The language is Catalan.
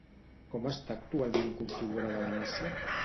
Com està actualment configurada Venècia?